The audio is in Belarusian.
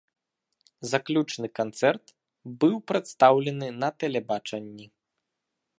Заключны канцэрт быў прадстаўлены на тэлебачанні.